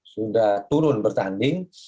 sudah turun bertanding